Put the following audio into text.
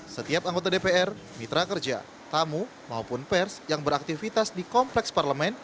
setiap anggota dpr mitra kerja tamu maupun pers yang beraktivitas di kompleks parlemen